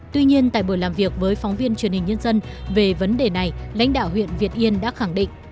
tuy nhiên tại buổi làm việc với phóng viên truyền hình nhân dân về vấn đề này lãnh đạo huyện việt yên đã khẳng định